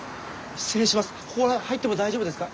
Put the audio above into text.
失礼します。